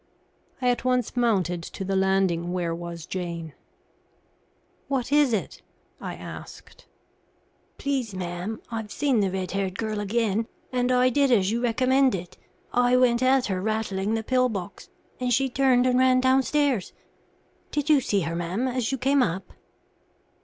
I at once mounted to the landing where was Jane. "What is it?" I asked. "Please, ma'am, I've seen the red haired girl again, and I did as you recommended. I went at her rattling the pill box, and she turned and ran downstairs. Did you see her, ma'am, as you came up?"